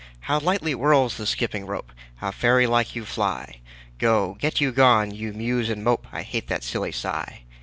How lightly whirls the skipping rope! How fairy like you fly! Go, get you gone, you muse and mopeâ I hate that silly sigh.